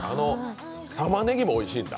たまねぎもおいしいんだ？